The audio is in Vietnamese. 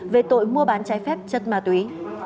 về tội mua bán trái phép chất ma túy